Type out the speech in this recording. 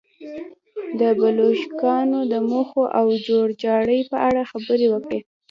د بلشویکانو د موخو او جوړجاړي په اړه خبرې وکړي.